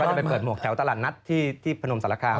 จะไปเปิดหมวกแถวตลาดนัดที่พนมสารคาม